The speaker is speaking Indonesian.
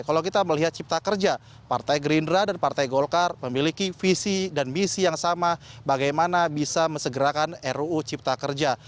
kalau kita melihat cipta kerja partai gerindra dan partai golkar memiliki visi dan misi yang sama bagaimana bisa mesegerakan ruu cipta kerja